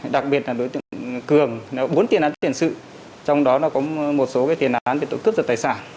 đặc biệt là đối tượng cường bốn tiền án tiền sự trong đó có một số tiền án về tội cướp giật tài sản